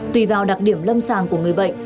tùy vào đặc điểm lâm sàng của người bệnh